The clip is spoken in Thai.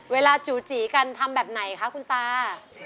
จูจีกันทำแบบไหนคะคุณตา